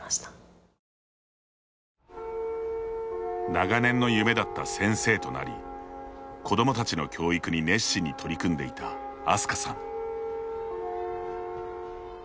長年の夢だった先生となり子どもたちの教育に熱心に取り組んでいたあすかさん。